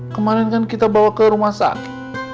kemarin kan kita bawa ke rumah sakit